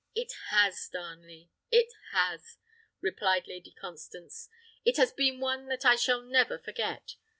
"It has, Darnley; it has!" replied Lady Constance; "it has been one that I shall never forget.